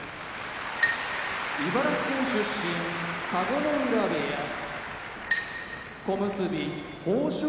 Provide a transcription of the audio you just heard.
茨城県出身田子ノ浦部屋小結豊昇